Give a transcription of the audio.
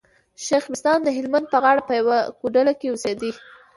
شېخ بستان د هلمند په غاړه په يوه کوډله کي اوسېدئ.